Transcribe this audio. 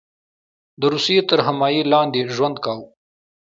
د روسیې تر حمایې لاندې ژوند کاوه.